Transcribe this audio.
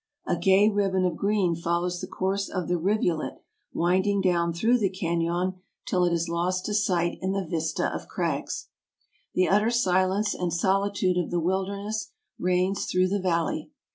A gay ribbon of green follows the course of the rivulet winding down through AMERICA 55 the canon till it is lost to sight in the vista of crags. The utter silence and solitude of the wilderness reigns through the valley.